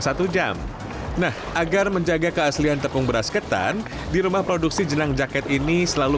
satu jam nah agar menjaga keaslian tepung beras ketan di rumah produksi jelang jaket ini selalu